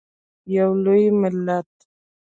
یو لوی ملت.